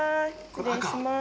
失礼します。